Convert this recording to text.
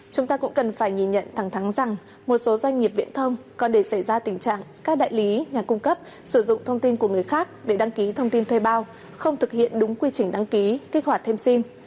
chúng ta cũng cần phải nhìn nhận thẳng thắng rằng một số doanh nghiệp viễn thông còn để xảy ra tình trạng các đại lý nhà cung cấp sử dụng thông tin của người khác để đăng ký thông tin thuê bao không thực hiện đúng quy trình đăng ký kích hoạt thêm sim